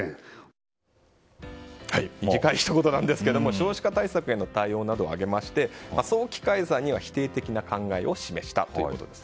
少子化対策への対応などを挙げまして早期解散には否定的な考えを示したということです。